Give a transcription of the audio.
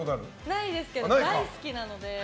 ないですけど大好きなので。